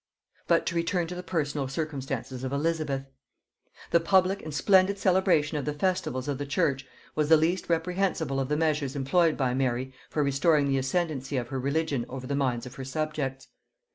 But to return to the personal circumstances of Elizabeth. The public and splendid celebration of the festivals of the church was the least reprehensible of the measures employed by Mary for restoring the ascendancy of her religion over the minds of her subjects.